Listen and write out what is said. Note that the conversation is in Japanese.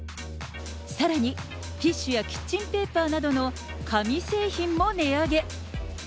さらにティッシュやキッチンペーパーなどの紙製品も値上げ。